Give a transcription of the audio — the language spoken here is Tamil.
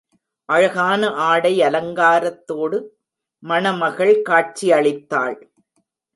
அழகான ஆடை அலங்காத்தோடு மணமகள் காட்சி அளித்தாள்.